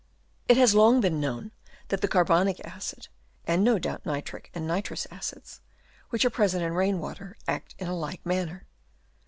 It has long been known that the carbonic acid, and no doubt nitric and nitrous acids, which are present in rain water, act in like manner.